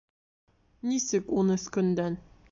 — Нисек, ун өс көндән?